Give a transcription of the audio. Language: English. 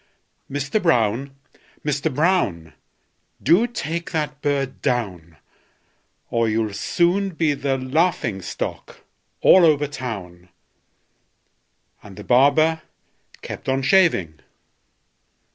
Mister Brown! Mister Brown! Do take that bird down, Or you'll soon be the laughing stock all over town!" And the barber kept on shaving.